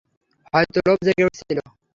হয়তো লোভ জেগে উঠেছিল।